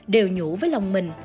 đều nhủ với lòng mình